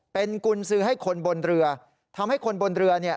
เป็นกุญสือให้คนบนเรือทำให้คนบนเรือเนี่ย